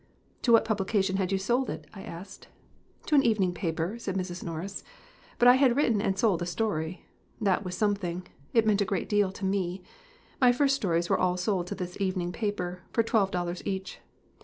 "To what publication had you sold it?" I asked. "To an evening paper," said Mrs. Norris; ''but I had written and sold a story. That was something; it meant a great deal to me. My first stories were all sold to this evening paper, for twelve dollars each.